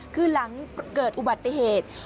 คือหลังเกิดอุบัติเหตุ